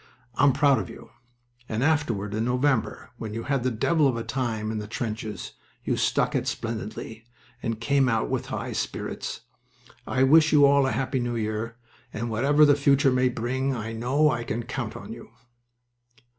I'm proud of you. And afterward, in November, when you had the devil of a time in the trenches, you stuck it splendidly and came out with high spirits. I wish you all a happy new year, and whatever the future may bring I know I can count on you."